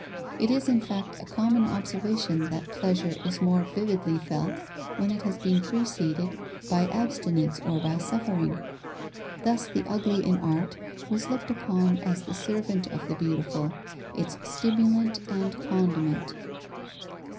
It is, in fact, a common observation that pleasure is more vividly felt when It has been preceded by abstinence or by suffering. Thus the ugly in art was looked upon as the servant of the beautiful, its stimulant and condiment.